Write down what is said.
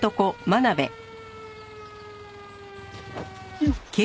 よっ！